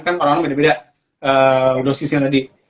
kan orang orang beda beda dosis yang ada di